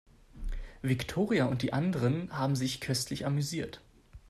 Viktoria und die anderen haben sich köstlich amüsiert.